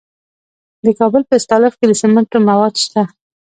د کابل په استالف کې د سمنټو مواد شته.